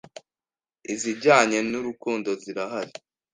izijyanye n’urukundo zirahari